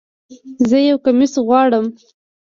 زه یو کمیس غواړم